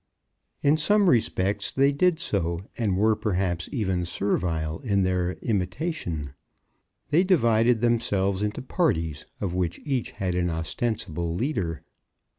In some respects they did so, and were perhaps even servile in their imitation. They divided themselves into parties, of which each had an ostensible leader.